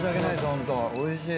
ホントおいしい。